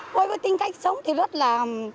với tính cách sống thì rất là